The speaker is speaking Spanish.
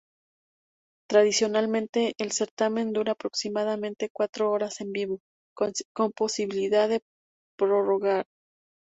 Tradicionalmente, el certamen dura aproximadamente cuatro horas en vivo, con posibilidad de prórroga.